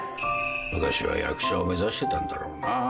昔は役者を目指してたんだろうな。